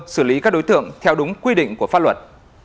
xử lý các đối tượng theo đúng quy định của pháp luật